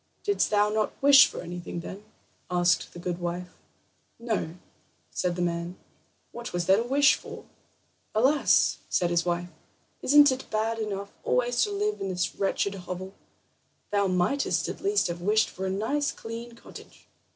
"Didst thou not wish for anything then?" asked the good wife. "No," said the man; "what was there to wish for?" "Alas!" said his wife; "isn't it bad enough always to live in this wretched hovel? Thou mightest at least have wished for a nice clean cottage.